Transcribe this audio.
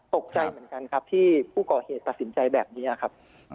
ตกใจเหมือนกันครับที่ผู้ก่อเหตุตัดสินใจแบบนี้ครับ